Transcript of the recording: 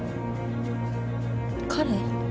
彼？